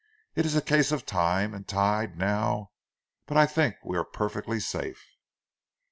It is a case of time and tide now, but I think we are perfectly safe."